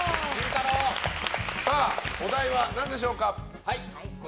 お題は何でしょうか？